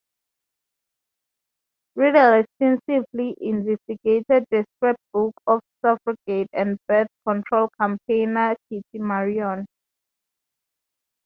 Riddell extensively investigated the scrapbook of suffragette and birth control campaigner Kitty Marion.